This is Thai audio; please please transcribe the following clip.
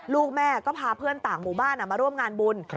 ลูกแม่ก็พาเพื่อนต่างหมู่บ้านมาร่วมงานบุญ